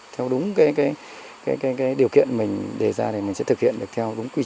theo đúng điều kiện mình đề ra để mình sẽ thực hiện được theo đúng quy chế